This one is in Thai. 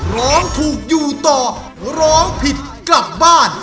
ร้องถูกอยู่ต่อร้องผิดกลับบ้าน